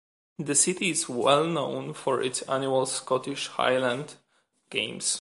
The city is well known for its annual Scottish Highland Games.